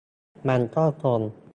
มันก็คง